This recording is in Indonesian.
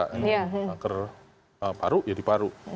kanker paru ya di paru